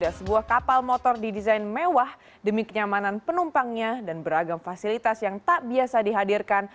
sebuah kapal motor didesain mewah demi kenyamanan penumpangnya dan beragam fasilitas yang tak biasa dihadirkan